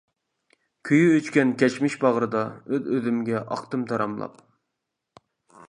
كۈيى ئۆچكەن كەچمىش باغرىدا ئۆز ئۆزۈمگە ئاقتىم تاراملاپ.